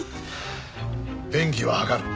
便宜は図る。